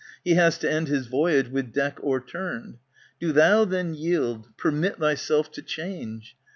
He has to end his voyage with deck overturned. Do thou then yield ; permit thyself to change.